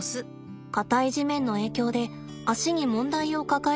硬い地面の影響で足に問題を抱えてしまいました。